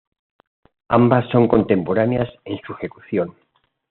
Ambas son contemporáneas en su ejecución.